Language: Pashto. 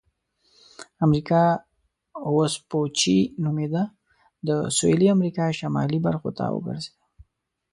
امریکا وسپوچې نومیده د سویلي امریکا شمالي برخو ته وګرځېد.